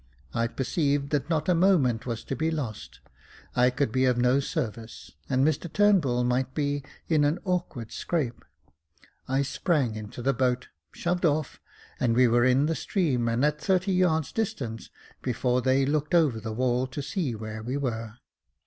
I perceived that not a moment was to be lost. I could be of no service, and Mr Turnbull might be in an awkward scrape. I sprang into the boat, shoved off, and we were in the stream and at thirty yards' distance before they looked over the wall to see where we were.